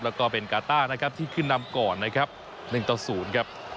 แล้วก็เป็นกาต้านะครับที่ขึ้นนำก่อนนะครับ๑ต่อ๐ครับ